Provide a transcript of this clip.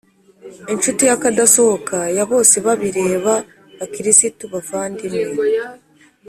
inshuti y'akadasohoka ya bosebabireba bakirisitu bavandimwe